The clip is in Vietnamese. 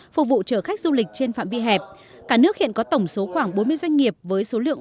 phục vụ chở khách du lịch trên phạm vi hẹp cả nước hiện có tổng số khoảng bốn mươi doanh nghiệp với số lượng